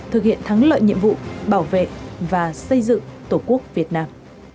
thực hiện thắng lợi nhiệm vụ bảo vệ và xây dựng tổ quốc việt nam